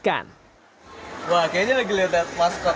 yang paling dikemaskan